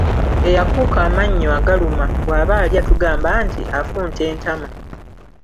Eyakuuka amannyo agaluma bw’aba alya tugamba nti afunta entama.